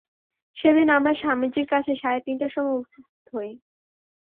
সেদিন আমরা স্বামীজীর কাছে সাড়ে তিনটার সময় উপস্থিত হই।